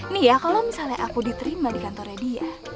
nih ya kalau misalnya aku diterima di kantornya dia